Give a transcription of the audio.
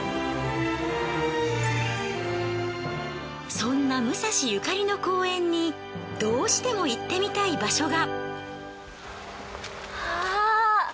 そんな武蔵ゆかりの公園にどうしても行ってみたい場所が。